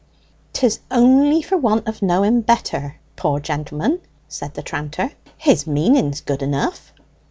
"'Tis only for want of knowing better, poor gentleman," said the tranter. "His meaning's good enough.